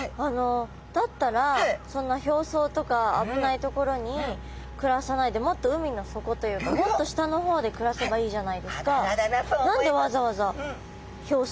だったらそんな表層とか危ない所に暮らさないでもっと海の底というかもっと下の方で暮らせばいいじゃないですか？